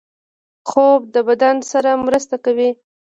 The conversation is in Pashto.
خوب د بدن سره مرسته کوي